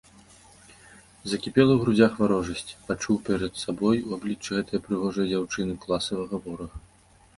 Закіпела ў грудзях варожасць, пачуў перад сабой у абліччы гэтае прыгожае дзяўчыны класавага ворага.